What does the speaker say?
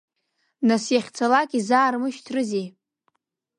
Нас иахьцалак изаармышьҭрызи?